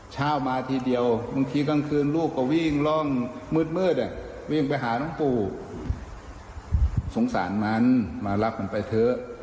เช้ามาทีเดียวบางทีกลางคืนลูกก็วิ่งร่องมืดวิ่งไปหาน้องปู่สงสารมันมารับมันไปเถอะ